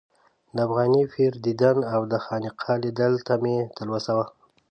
د افغاني پیر دیدن او د خانقا لیدلو ته مې تلوسه وه.